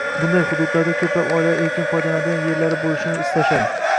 bunday hududlarda ko‘plab oilalar erkin foydalanadigan yerlari bo‘lishini istashadi